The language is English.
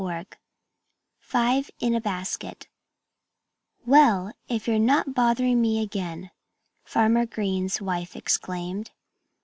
XXIV FIVE IN A BASKET "WELL, if you're not bothering me again!" Farmer Green's wife exclaimed.